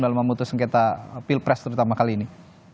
dalam memutuskan kata pilpres terutama kali ini